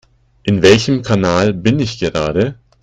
In welchem Kanal bin ich gerade?